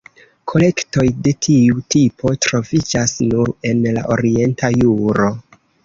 Kolektoj de tiu tipo troviĝas nur en la orienta juro.